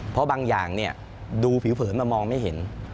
เพราะบางอย่างดูผิวเผินมามองไม่เห็น